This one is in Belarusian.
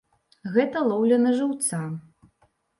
Гэта лоўля на жыўца.